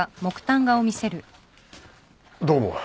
どう思う？